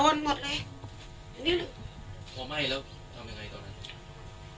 บัวไหม้แล้วทำยังไงตอนนั้น